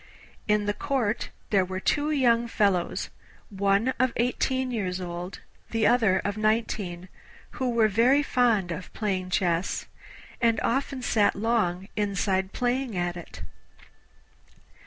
In the Court there were two young fellows, one of eighteen years old, the other of nineteen, who were very fond of playing chess, and often sat long inside playing at it.